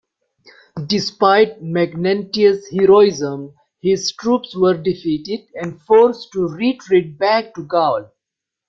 Despite Magnentius' heroism, his troops were defeated and forced to retreat back to Gaul.